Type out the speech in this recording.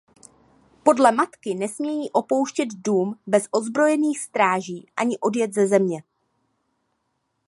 Podle matky nesmějí opouštět dům bez ozbrojených stráží ani odjet ze země.